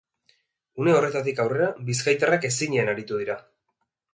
Une horretatik aurrera bizkaitarrak ezinean aritu dira.